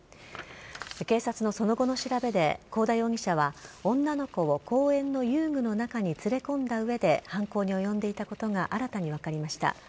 警察のその後の調べで幸田容疑者は女の子を公園の遊具の中に連れ込んだ上で犯行に及んでいたことが新たに分かりました。